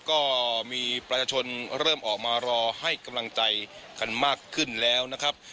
ก็มีประชาชนเริ่มออกมารอให้กำลังใจกันมากขึ้นแล้วนะครับ